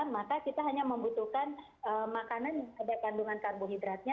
maka kita hanya membutuhkan makanan yang ada kandungan karbohidratnya